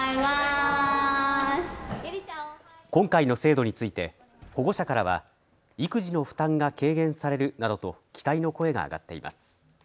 今回の制度について保護者からは育児の負担が軽減されるなどと期待の声が上がっています。